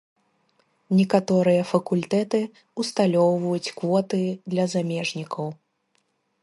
Некаторыя факультэты усталёўваюць квоты для замежнікаў.